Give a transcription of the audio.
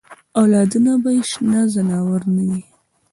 اولادونه به یې شنه ځناور نه وي.